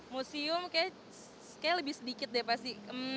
museum kayaknya lebih sedikit deh pasti